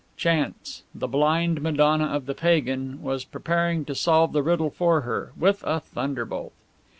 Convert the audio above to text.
Chance the Blind Madonna of the Pagan was preparing to solve the riddle for her with a thunderbolt!